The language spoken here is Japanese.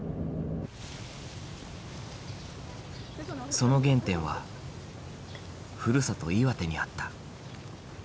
その原点はふるさと岩手にあった。